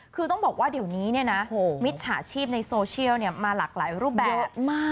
คือต้องบอกว่าเดี๋ยวนี้มิจฉาชีพในโซเชียลมาหลากหลายรูปแบบเยอะมาก